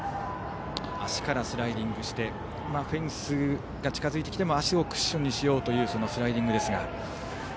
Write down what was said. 足からスライディングしてフェンスが近づいてきても足をクッションにしようというスライディングですが。